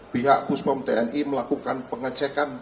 pihak puspom tni melakukan pengecekan